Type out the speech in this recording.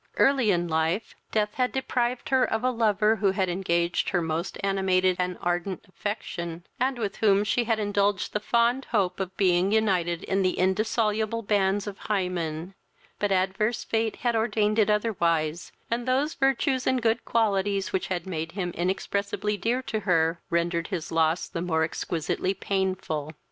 Early in life, death had deprived her of a lover who had engaged her most animated and ardent affection, and with whom she had indulged the fond hope of being united in the indissoluble bands of Hymen; but adverse fate had ordained it otherwise, and those virtues and good qualities which had made him inexpressibly dear to her, rendered his loss the more exquisitely painful.